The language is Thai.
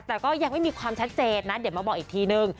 แต่ก็ยังไม่มีความชัดเจนนะเดี๋ยวมาบอกอีกทีนึง